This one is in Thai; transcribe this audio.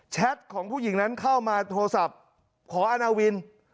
ของผู้หญิงนั้นเข้ามาโทรศัพท์ขออาณาวิน